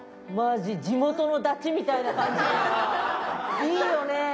マジ地元のダチみたいな感じがいいよね。